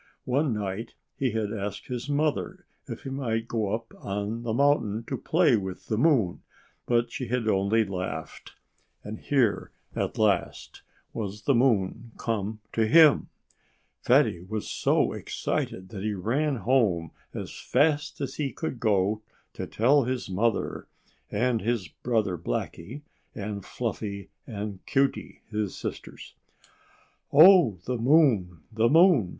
One night he had asked his mother if he might go up on the mountain to play with the moon; but she had only laughed. And here, at last, was the moon come to him! Fatty was so excited that he ran home as fast as he could go, to tell his mother, and his brother Blackie, and Fluffy and Cutey, his sisters. "Oh! the moon! the moon!"